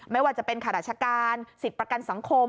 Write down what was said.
ไม่ว่าจะเป็นข้าราชการสิทธิ์ประกันสังคม